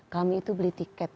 kami itu beli tiket